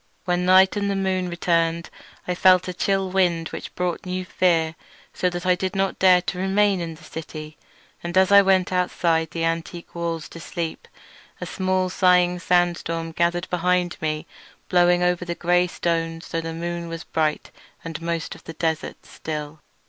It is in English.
When night and the moon returned I felt a chill wind which brought new fear, so that I did not dare to remain in the city. And as I went outside the antique walls to sleep, a small sighing sandstorm gathered behind me, blowing over the grey stones though the moon was bright and most of the desert still.